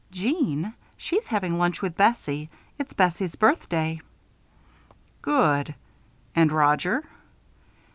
"Jeanne? She's having lunch with Bessie. It's Bessie's birthday." "Good! And Roger?"